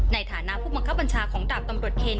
ในฐานะพวกมังเข้าบรรชาของดับตำรวจเคน